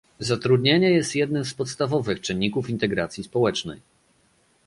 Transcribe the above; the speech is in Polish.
Zatrudnienie jest jednym z podstawowych czynników integracji społecznej